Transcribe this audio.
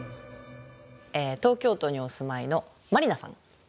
東京都にお住まいのまりなさん